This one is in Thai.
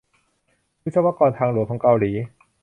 วิศวกรทางหลวงของเกาหลี